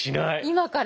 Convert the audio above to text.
今から。